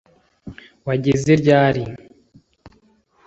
Wageze ryari